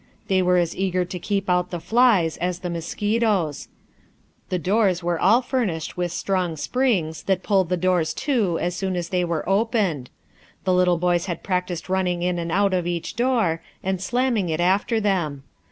They were as eager to keep out the flies as the mosquitoes. The doors were all furnished with strong springs, that pulled the doors to as soon as they were opened. The little boys had practised running in and out of each door, and slamming it after them.